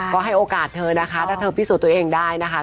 ก็ให้โอกาสเธอนะคะถ้าเธอพิสูจน์ตัวเองได้นะคะ